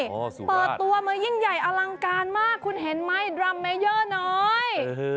เปิดตัวมายิ่งใหญ่อลังการมากคุณเห็นไหมดรัมเมเยอร์น้อย